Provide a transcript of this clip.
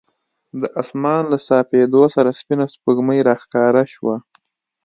د اسمان له صافېدو سره سپینه سپوږمۍ راښکاره شوه.